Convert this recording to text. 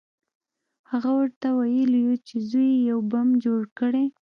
هغه ورته ویلي وو چې زوی یې یو بم جوړ کړی